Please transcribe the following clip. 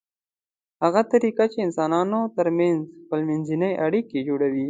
هغه طریقه چې د انسانانو ترمنځ خپلمنځي اړیکې جوړوي